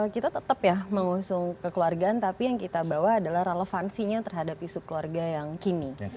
kita tetap ya mengusung kekeluargaan tapi yang kita bawa adalah relevansinya terhadap isu keluarga yang kini